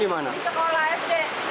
di sekolah ya pak